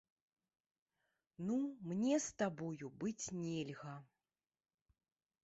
Ну, мне з табою быць нельга.